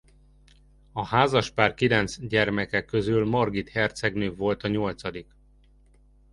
A házaspár kilenc gyermeke közül Margit hercegnő volt a nyolcadik.